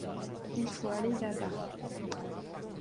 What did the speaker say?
Il faut aller là-bas.